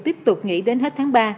tiếp tục nghỉ đến hết tháng ba